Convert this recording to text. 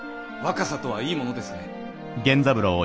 若さとはいいものですね。